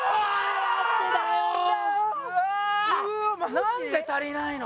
なんで足りないの？